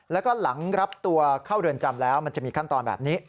แล้วก็หลังรับตัวเข้าเรือนจำแล้วมันจะมีขั้นตอนแบบนี้